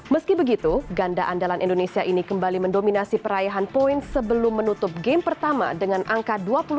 meski begitu ganda andalan indonesia ini kembali mendominasi peraihan poin sebelum menutup game pertama dengan angka dua puluh satu